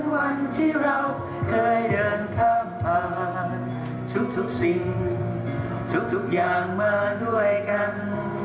วันที่เราเคยเดินข้ามผ่านทุกสิ่งทุกอย่างมาด้วยกัน